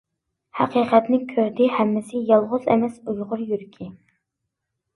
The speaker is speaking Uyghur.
ھەقىقەتنى كۆردى ھەممىسى، يالغۇز ئەمەس ئۇيغۇر يۈرىكى.